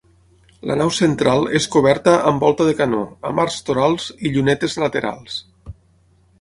La nau central és coberta amb volta de canó, amb arcs torals i llunetes laterals.